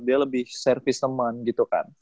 dia lebih service teman gitu kan